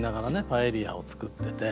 パエリアを作ってて。